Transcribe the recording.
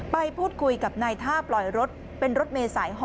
ไปพูดคุยกับนายท่าปล่อยรถเป็นรถเมษาย๖